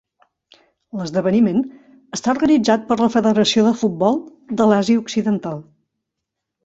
L'esdeveniment està organitzat per la Federació de Futbol de l'Àsia Occidental.